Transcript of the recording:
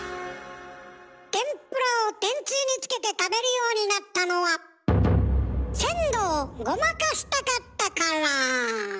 天ぷらを天つゆにつけて食べるようになったのは鮮度をごまかしたかったから。